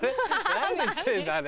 何してんだあれ。